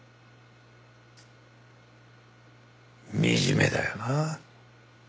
惨めだよな。